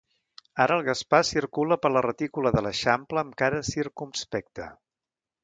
Ara el Gaspar circula per la retícula de l'Eixample amb cara circumspecta.